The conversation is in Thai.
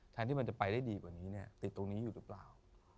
ที่มันจะไปได้ดีกว่านี้เนี่ยติดตรงนี้อยู่หรือเปล่า